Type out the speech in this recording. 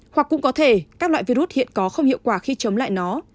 hoặc cũng có thể các loại virus hiện có không hiệu quả khi chống lại nó